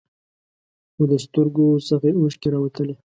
خو د سترګو څخه یې اوښکې راوتلې.